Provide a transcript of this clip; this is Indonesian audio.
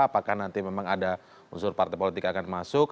apakah nanti memang ada unsur partai politik akan masuk